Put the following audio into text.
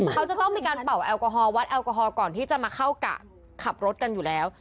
เขาจะต้องมีการเป่าแอลกอฮอลวัดแอลกอฮอลก่อนที่จะมาเข้ากะขับรถกันอยู่แล้ว